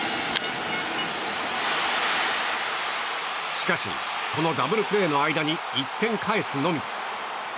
しかし、このダブルプレーの間に１点返すのみ。